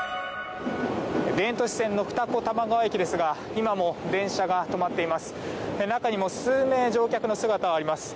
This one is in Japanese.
田園都市線の二子玉川駅ですが今も電車が止まっています。